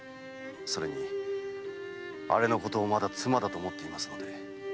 それにあれのことをまだ妻だと思っていますので。